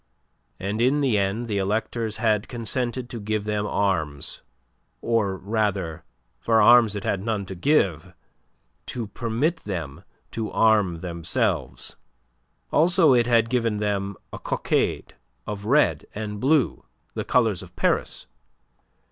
And in the end the electors had consented to give them arms, or, rather for arms it had none to give to permit them to arm themselves. Also it had given them a cockade, of red and blue, the colours of Paris.